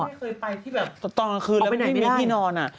ไม่เคยไปที่แบบตอนกลางคืนแล้วไม่มีที่นอน